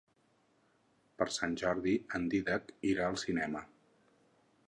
Per Sant Jordi en Dídac irà al cinema.